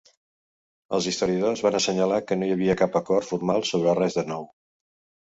Els historiadors van assenyalar que no hi havia cap acord formal sobre res de nou.